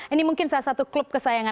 ini mungkin salah satu klub kesayangan